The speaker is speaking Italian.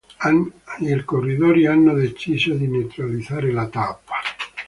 I corridori hanno deciso di neutralizzare la tappa.